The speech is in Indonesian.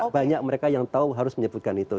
banyak mereka yang tahu harus menyebutkan itu